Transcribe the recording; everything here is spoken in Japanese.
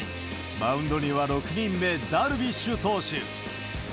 マウンドには６人目、ダルビッシュ投手。